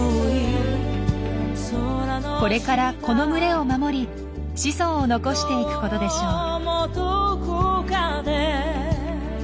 これからこの群れを守り子孫を残していくことでしょう。